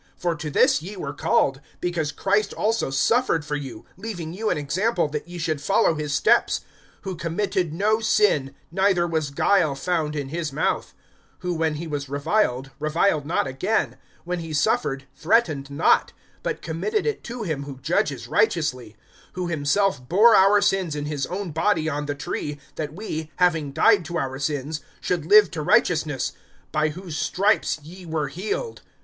(21)For to this ye were called; because Christ also suffered for you, leaving you an example, that ye should follow his steps; (22)who committed no sin, neither was guile found in his mouth; (23)who when he was reviled, reviled not again; when he suffered, threatened not; but committed it to him who judges righteously; (24)who himself bore our sins in his own body on the tree, that we, having died to our sins, should live to righteousness; by whose stripes ye were healed.